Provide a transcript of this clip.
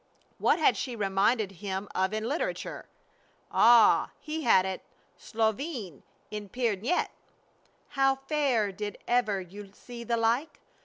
What had she reminded him of in literature? Ah! he had it. Solveig in Peer Gynt! How fair! Did ever you see the like?